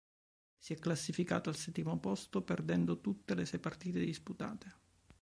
Si è classificato al settimo posto perdendo tutte le sei partite disputate.